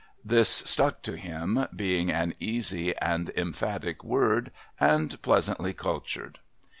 This stuck to him, being an easy and emphatic word and pleasantly cultured.